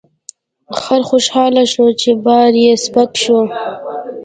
خر خوشحاله شو چې بار یې سپک شو.